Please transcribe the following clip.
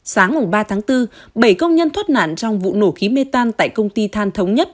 sáng ba tháng bốn bảy công nhân thoát nạn trong vụ nổ khí mê tan tại công ty than thống nhất